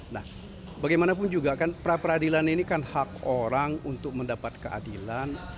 nah bagaimanapun juga kan pra peradilan ini kan hak orang untuk mendapat keadilan